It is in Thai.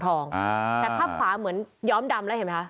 แต่ภาพขวาเหมือนย้อมดำแล้วเห็นไหมคะ